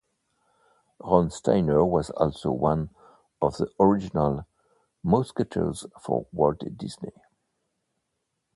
Ron Steiner was also one of the original Mouseketeers for Walt Disney.